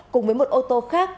cùng với một ô tô khác